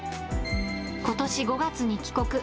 ことし５月に帰国。